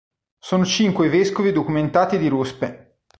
Sono cinque i vescovi documentati di Ruspe.